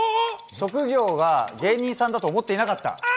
職業が芸人さんだと思っていなかった。